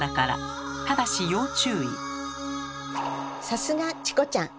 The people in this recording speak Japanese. さすがチコちゃん！